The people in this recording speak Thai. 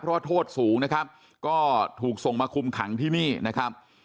เพราะว่าโทษสูงนะครับก็ถูกส่งมาคุมขังที่นี่นะครับ